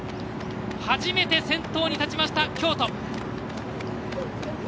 初めて先頭に立ちました、京都。